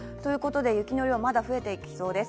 雪の量、まだ増えていきそうです。